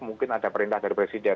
mungkin ada perintah dari presiden